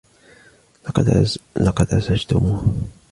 لقد أزعجتموه.